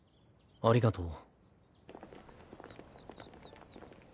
ありがとう。